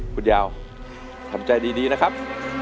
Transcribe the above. คุณยาวทำใจดีนะครับ